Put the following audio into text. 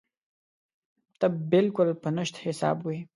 ته بالکل په نشت حساب وې.